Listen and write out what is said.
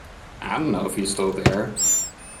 I don't know if he's still there.